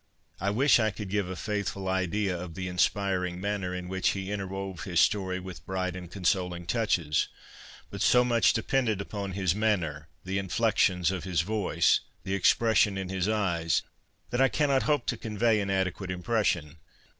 I wish I could give a faithful idea of the WITH NATURE 123 inspiring manner in which he interwove his story with bright and consoling touches; but so much depended upon his manner, the inflexions of his voice, the expression in his eyes, that I cannot hope to convey an adequate impression.